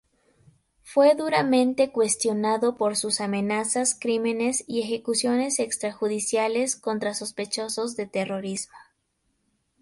Fue duramente cuestionado por sus amenazas, crímenes y ejecuciones extrajudiciales contra sospechosos de terrorismo.